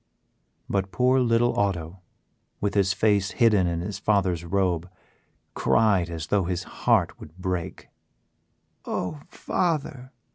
But poor little Otto, with his face hidden in his father's robe, cried as though his heart would break. "Oh, father!"